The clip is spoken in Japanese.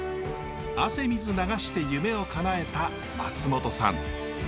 汗水流して夢をかなえた松本さん。